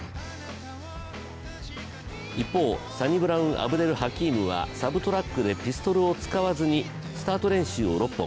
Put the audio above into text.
一方、サニブラウン・アブデル・ハキームはサブトラックでピストルを使わずにスタート練習を６本。